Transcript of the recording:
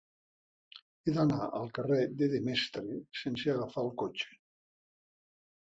He d'anar al carrer de Demestre sense agafar el cotxe.